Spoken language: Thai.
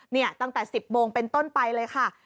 ตั้งแต่๑๐โมงเป็นต้นไปเลยค่ะ